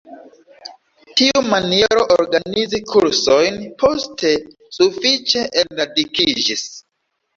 Tiu maniero organizi kursojn poste sufiĉe enradikiĝis.